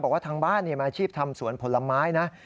บอกว่าทางบ้านมีอาชีพทำสวนผลไม้นะ